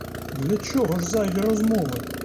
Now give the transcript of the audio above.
Для чого ж зайві розмови!